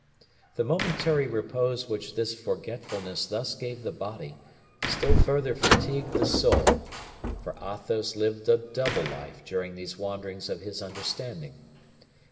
The momentary repose which this forgetfulness thus gave the body, still further fatigued the soul, for Athos lived a double life during these wanderings of his understanding.